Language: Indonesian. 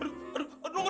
hah aduh aduh